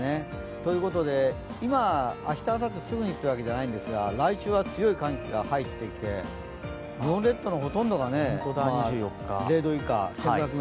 ということで、明日、あさってすぐにというわけではないんですが来週は強い寒気が入ってきて日本列島のほとんどが０度以下１５００ｍ